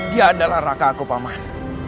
dia adalah raka aku paman